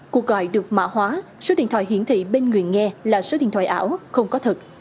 cuộc gọi được mã hóa số điện thoại hiển thị bên người nghe là số điện thoại ảo không có thật